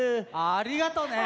ありがとうね。